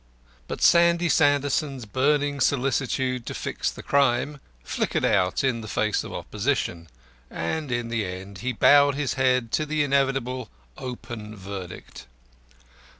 IV But Sandy Sanderson's burning solicitude to fix the crime flickered out in the face of opposition, and in the end he bowed his head to the inevitable "open verdict."